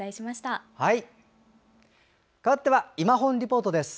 かわっては「いまほんリポート」です。